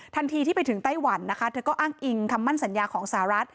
ทันทีที่ไปถึงไต้หวันนะคะเธอก็อ้างอิงคำมั่นสัญญาของสหรัฐ